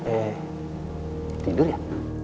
eh tidur ya